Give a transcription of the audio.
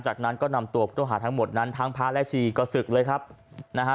จากนั้นก็นำตัวผู้ต้องหาทั้งหมดนั้นทั้งพระและชีก็ศึกเลยครับนะฮะ